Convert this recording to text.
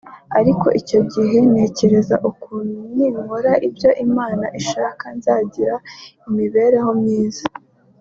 Ariko icyo gihe ntekereza ukuntu ninkora ibyo Imana ishaka nzagira imibereho myiza